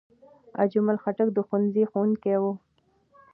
اجمل خټک د ښوونځي ښوونکی و.